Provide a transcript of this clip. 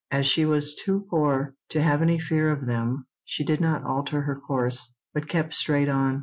As she was too poor to have any fear of them she did not alter her course, but kept straight on.